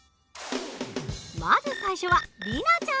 まず最初は里奈ちゃん。